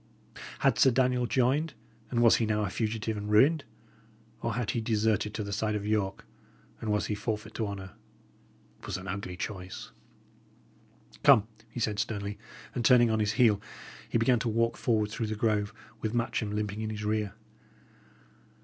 Had Sir Daniel joined, and was he now a fugitive and ruined? or had he deserted to the side of York, and was he forfeit to honour? It was an ugly choice. "Come," he said, sternly; and, turning on his heel, he began to walk forward through the grove, with Matcham limping in his rear.